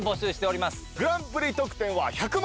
グランプリ特典は１００万円。